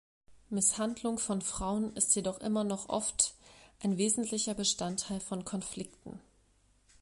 Misshandlung von Frauen ist jedoch immer noch oft ein wesentlicher Bestandteil von Konflikten.